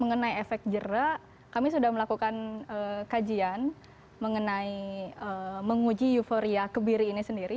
mengenai efek jerak kami sudah melakukan kajian mengenai menguji euforia kebiri ini sendiri